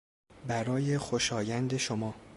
برای خوشایند شما